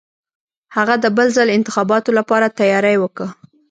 هغه د بل ځل انتخاباتو لپاره تیاری وکه.